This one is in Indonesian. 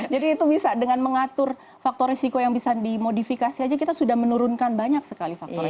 jadi itu bisa dengan mengatur faktor resiko yang bisa dimodifikasi saja kita sudah menurunkan banyak sekali faktor resiko